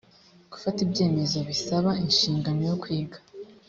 gufata ibyemezo bisaba inshingano yo kwiga